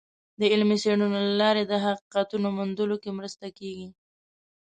د علمي څیړنو له لارې د حقیقتونو موندلو کې مرسته کیږي.